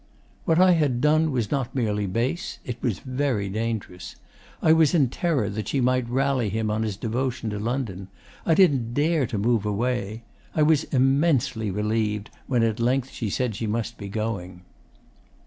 'What I had done was not merely base: it was very dangerous. I was in terror that she might rally him on his devotion to London. I didn't dare to move away. I was immensely relieved when at length she said she must be going.